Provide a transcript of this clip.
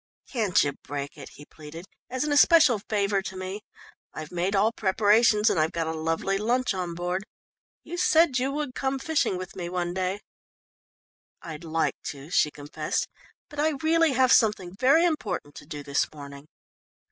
"Can't you break it?" he pleaded, "as an especial favour to me? I've made all preparations and I've got a lovely lunch on board you said you would come fishing with me one day." "I'd like to," she confessed, "but I really have something very important to do this morning."